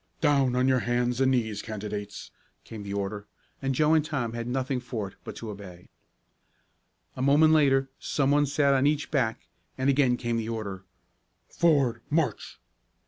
"Down on your hands and knees, candidates," came the order, and Joe and Tom had nothing for it but to obey. A moment later some one sat on each back and again came the order: "Forward march!"